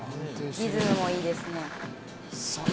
リズムもいいですね。